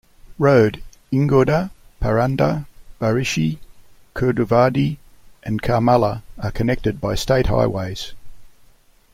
Road: Ingoda, Paranda, Barshi, Kurduvadi, and Karmala are connected by state highways.